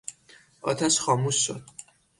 آتش خاموش شد.